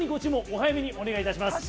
お早めにお願いいたします。